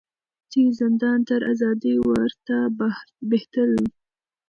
چي زندان تر آزادۍ ورته بهتر وي